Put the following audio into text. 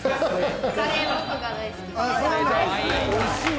カレー、僕が大好きです。